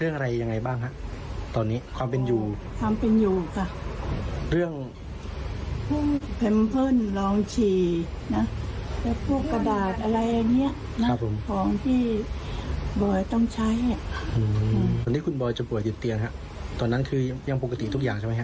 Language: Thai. น้องบอยจะป่วยจิตเตียงครับตอนนั้นคือยังปกติทุกอย่างใช่ไหมครับ